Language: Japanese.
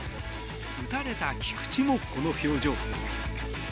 打たれた菊池もこの表情。